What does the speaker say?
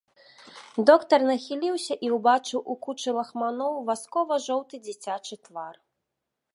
Доктар нахіліўся і ўбачыў у кучы лахманоў васкова-жоўты дзіцячы твар.